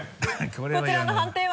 こちらの判定は？